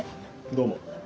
どうも。